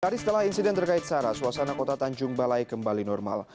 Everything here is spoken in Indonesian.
sehari setelah insiden terkait sarah suasana kota tanjung balai kembali normal